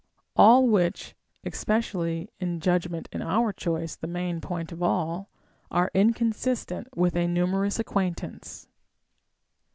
All Λvhich (especially judgment in our choice, the main point of all) are inconsistent with a numerous acquaintance.